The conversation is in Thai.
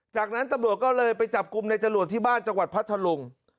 จากนั้นตำรวจก็เลยไปจับกลุ่มในจรวดที่บ้านจังหวัดพัทธลุง